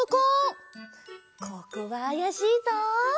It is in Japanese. ここはあやしいぞ！